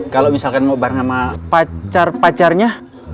kalau misalkan mau bareng sama pacar pacarnya